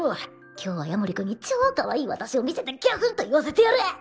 今日は夜守君に超カワイイ私を見せてぎゃふんと言わせてやる！